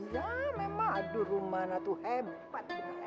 ya memang aduh rumana tuh hebat